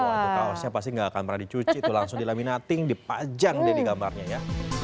wah itu kaosnya pasti nggak akan pernah dicuci itu langsung dilaminating dipajang deh di gambarnya ya